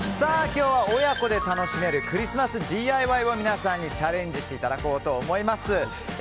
今日は親子で楽しめるクリスマスＤＩＹを皆さんにチャレンジしていただこうと思います。